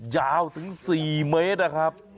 ยาวถึง๔เมตรนะครับ